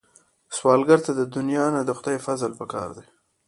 سوالګر ته د دنیا نه، د خدای فضل پکار دی